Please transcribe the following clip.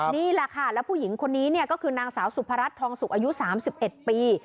นี่แหละค่ะแล้วผู้หญิงคนนี้เนี่ยก็คือนางสาวสุพรัชทองสุกอายุ๓๑ปี